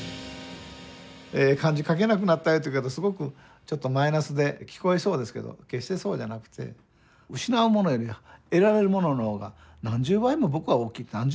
え漢字書けなくなったよというけどすごくちょっとマイナスで聞こえそうですけど決してそうじゃなくて失うものより得られるものの方が何十倍も僕は大きいと。